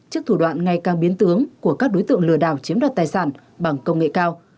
trước thủ đoạn ngày càng biến tướng của các đối tượng lừa đảo chiếm đoạt tài sản bằng công nghệ cao